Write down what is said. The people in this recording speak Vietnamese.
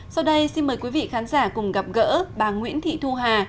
sau đây xin mời quý vị khán giả cùng gặp gỡ bà nguyễn thị thu hà